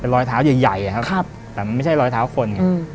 รอยเท้าใหญ่ครับแต่มันไม่ใช่รอยเท้าคน